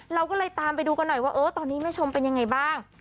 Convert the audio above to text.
เราก็เลยตามไปดูกันหน่อยว่าเออตอนนี้แม่ชมเป็นยังไงบ้าง